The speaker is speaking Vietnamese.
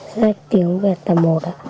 sách tiếng việt tập một ạ